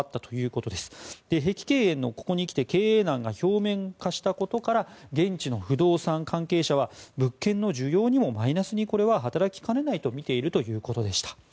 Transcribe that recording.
ここにきて碧桂園の経営難が表面化したことから現地の不動産関係者は物件の需要にもマイナスに働きかねないとみているということでした。